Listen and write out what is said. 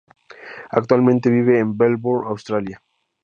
Actualmente vive en Melbourne, Australia.